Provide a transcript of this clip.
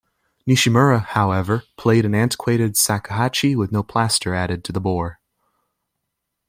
Nishimura, however, played an antiquated shakuhachi with no plaster added to the bore.